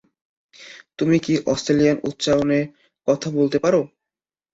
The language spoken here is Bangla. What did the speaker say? তুমি কি অস্ট্রেলিয়ান উচ্চারণ এ কথা বলতে পারো?